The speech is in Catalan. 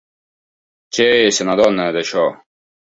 Chee se n'adona, d'això.